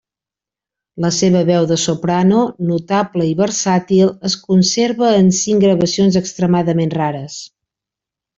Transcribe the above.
La seva veu de soprano notable i versàtil es conserva en cinc gravacions extremadament rares.